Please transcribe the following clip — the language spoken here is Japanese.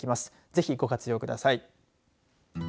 ぜひご活用ください。